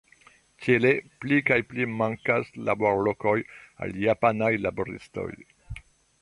Tiele pli kaj pli mankas laborlokoj al japanaj laboristoj.